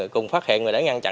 cùng phát hiện và đánh giá